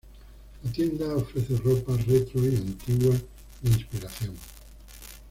La tienda ofrece ropa retro y antiguas de inspiración.